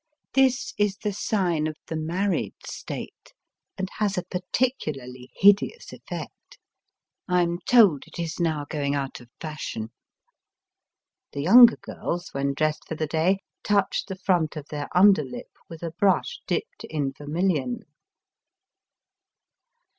This is the sign of the married state and has a particu larly hideous effect. I am told it is now going out of fashion. The younger girls when dressed for the day touch the front of their under Kp with a brush dipped in vermilion.